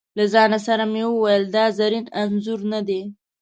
له ځانه سره مې وویل: دا زرین انځور نه دی.